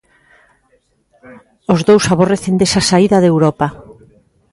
Os dous aborrecen desa saída de Europa.